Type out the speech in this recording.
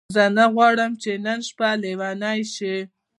زه نه غواړم چې نن شپه لیونۍ شې.